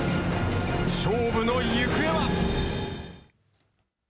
勝負の行方は。